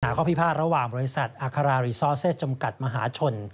ข้อพิพาทระหว่างบริษัทอาคารารีซอเซสจำกัดมหาชน